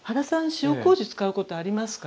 塩麹使うことありますか？